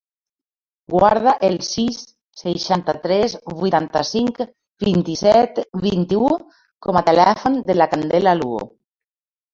Guarda el sis, seixanta-tres, vuitanta-cinc, vint-i-set, vint-i-u com a telèfon de la Candela Luo.